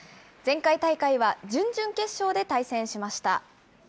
前回大会は準々決勝で対戦しました。